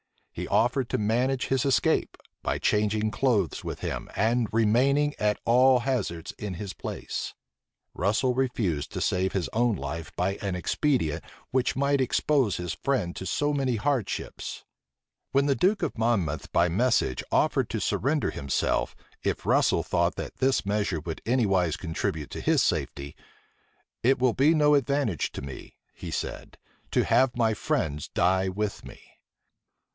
He offered to manage his escape, by changing clothes with him, and remaining at al hazards in his place. Russel refused to save his own life by an expedient which might expose his friend to so many hardships When the duke of Monmouth by message offered to surrender himself, if Russel thought that this measure would anywise contribute to his safety, "It will be no advantage to me," he said, "to have my friends die with me."